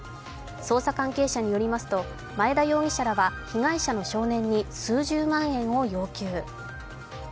捜査関係者によりますと前田容疑者らは被害者の少年に数十万円を要求。